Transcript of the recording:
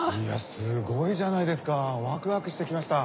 すごいじゃないですかワクワクして来ました。